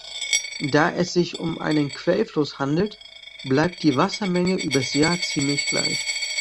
Da es sich um einen Quellfluss handelt, bleibt die Wassermenge übers Jahr ziemlich gleich.